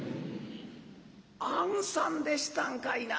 「あんさんでしたんかいな。